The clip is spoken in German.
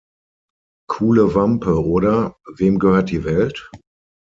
Kuhle Wampe oder: Wem gehört die Welt?